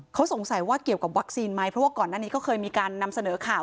เขาสงสัยว่าเกี่ยวกับวัคซีนไหมเพราะว่าก่อนหน้านี้ก็เคยมีการนำเสนอข่าว